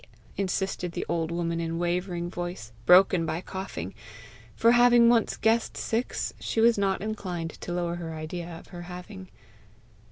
insisted the old woman in wavering voice, broken by coughing; for, having once guessed six, she was not inclined to lower her idea of her having.